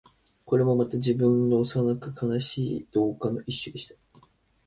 これもまた、自分の幼く悲しい道化の一種でした